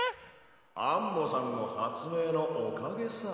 アンモさんのはつめいのおかげさ。